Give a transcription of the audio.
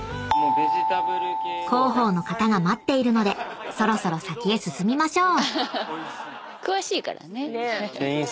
［広報の方が待っているのでそろそろ先へ進みましょう］